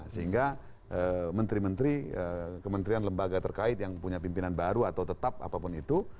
sehingga menteri menteri kementerian lembaga terkait yang punya pimpinan baru atau tetap apapun itu